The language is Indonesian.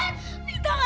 mita nggak tahu ma